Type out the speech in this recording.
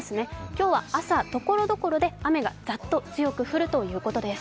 今日は朝、ところどころで雨がザッと強く降るということです。